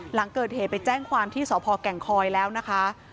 หลังเกิดเหตุไปแจ้งความที่สพแก่งคอยแล้วนะคะ